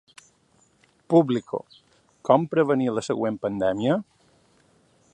Público: Com prevenir la següent pandèmia?